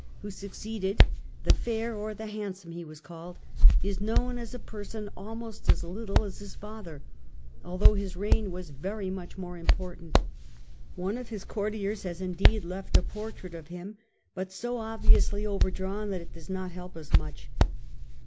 who succeeded, the Fair or the Handsome he was called, is known as a person almost as little as his father, although his reign was very much more im portant. One of his courtiers has indeed left a portrait of him, but so obviously overdrawn that it does not help us much.